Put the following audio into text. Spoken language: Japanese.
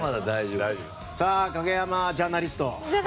影山ジャーナリスト。